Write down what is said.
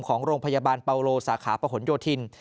ของโรงพยาบาลเปาโลสาขาประหลโยธิน